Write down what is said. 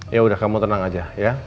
yaudah kamu tenang aja